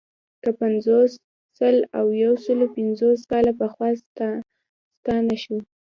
که پنځوس، سل او یو سلو پنځوس کاله پخوا ستانه شو.